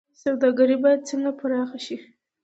سوداګري باید څنګه پراخه شي؟